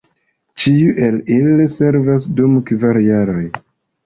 Ĉiu el ili servas dum kvar jaroj.